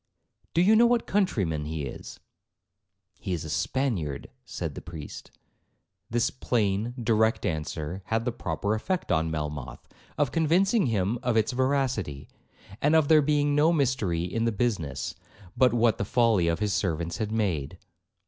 'Do you know what countryman he is?' 'He is a Spaniard,' said the priest. This plain, direct answer, had the proper effect on Melmoth, of convincing him of its veracity, and of there being no mystery in the business, but what the folly of his servants had made.